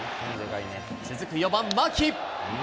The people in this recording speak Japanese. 続く４番牧。